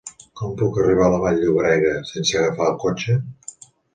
Com puc arribar a Vall-llobrega sense agafar el cotxe?